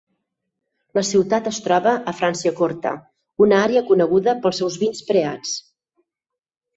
La ciutat es troba a Franciacorta, una àrea coneguda pels seus vins preats.